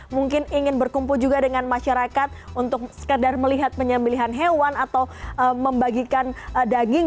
mungkin ingin berkumpul juga dengan masyarakat untuk sekedar melihat penyembelihan hewan atau membagikan daging